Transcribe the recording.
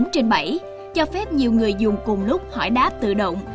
hai mươi bốn trên bảy cho phép nhiều người dùng cùng lúc hỏi đáp tự động